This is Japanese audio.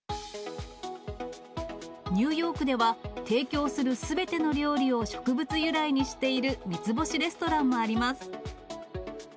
ニューヨークでは、提供するすべての料理を植物由来にしている三つ星レストランもあります。